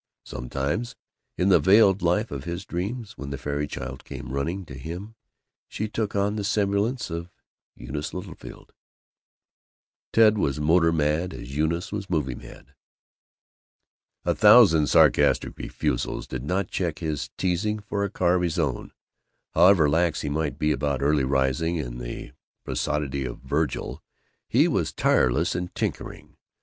Sometimes, in the veiled life of his dreams, when the fairy child came running to him she took on the semblance of Eunice Littlefield. Ted was motor mad as Eunice was movie mad. A thousand sarcastic refusals did not check his teasing for a car of his own. However lax he might be about early rising and the prosody of Vergil, he was tireless in tinkering.